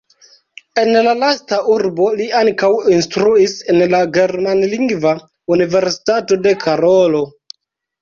En la lasta urbo li ankaŭ instruis en la germanlingva Universitato de Karolo.